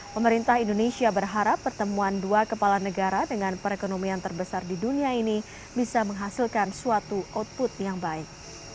pemerintah indonesia berharap pertemuan dua kepala negara dengan perekonomian terbesar di dunia ini bisa menghasilkan suatu output yang baik